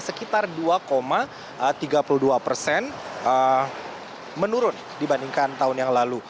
sekitar dua tiga puluh dua persen menurun dibandingkan tahun yang lalu